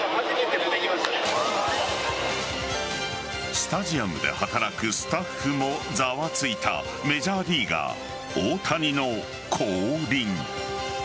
スタジアムで働くスタッフもざわついたメジャーリーガー・大谷の降臨。